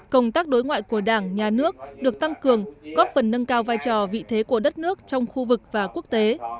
công tác đối ngoại của đảng nhà nước được tăng cường góp phần nâng cao vai trò vị thế của đất nước trong khu vực và quốc tế